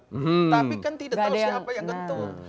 tapi kan tidak tahu siapa yang gentul